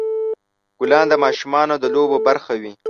ګلان د ماشومان د لوبو برخه وي.